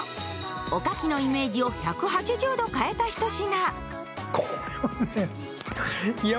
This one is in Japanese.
おかきのイメージを１８０度変えた一品。